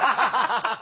ハハハハ。